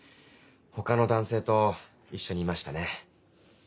他の男性と一緒にいましたね。